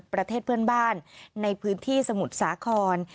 ประเทศเพื่อนบ้านในพื้นที่สมุทรสาคร